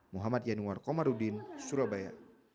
muhammad yanuar komarudin surabaya